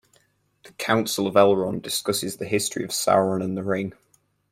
The Council of Elrond discusses the history of Sauron and the Ring.